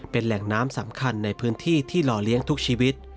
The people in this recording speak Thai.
เป็นแหล่งน้ำสำคัญในพื้นที่ที่หล่อเลี้ยงทุกชีวิต